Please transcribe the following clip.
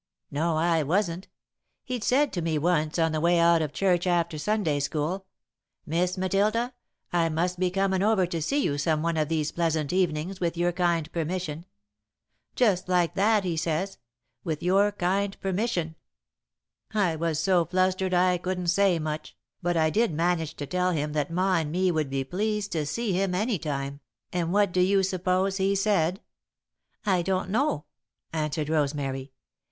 "No, I wasn't. He'd said to me once, on the way out of church after Sunday school: 'Miss Matilda, I must be comin' over to see you some one of these pleasant evenings, with your kind permission,' Just like that, he says, 'with your kind permission,' I was so flustered I couldn't say much, but I did manage to tell him that Ma and me would be pleased to see him any time, and what do you suppose he said?" "I don't know," answered Rosemary.